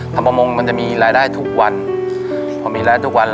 แต่มันจะมีรายได้ทุกวัน